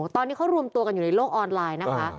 ตอนนี้เขารวมตัวกันอยู่ในโลกออนไลน์นะคะ